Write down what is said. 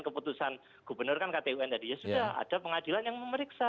keputusan gubernur kan ktun tadi ya sudah ada pengadilan yang memeriksa